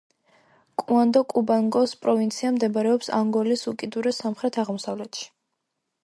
კუანდო-კუბანგოს პროვინცია მდებარეობს ანგოლის უკიდურეს სამხრეთ-აღმოსავლეთში.